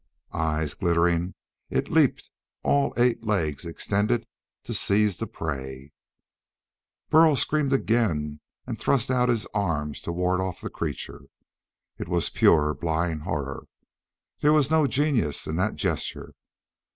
Eyes glittering, it leaped, all eight legs extended to seize the prey. Burl screamed again and thrust out his arms to ward off the creature. It was pure blind horror. There was no genius in that gesture.